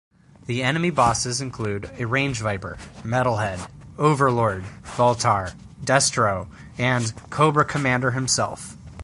The enemy bosses include a Range-Viper, Metal-Head, Overlord, Voltar, Destro and Cobra Commander himself.